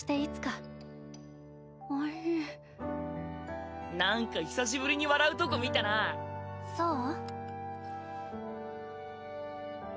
おいしいなんか久しぶりに笑うとこ見たなそう？